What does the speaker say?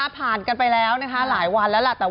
ผ่านกันไปแล้วหลายวันแล้ว